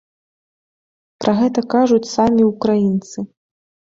Пра гэта кажуць самі ўкраінцы.